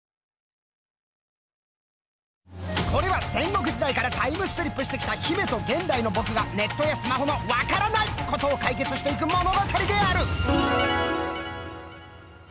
これは戦国時代からタイムスリップしてきた姫と現代のボクがネットやスマホの「わからないっ」ことを解決していく物語である。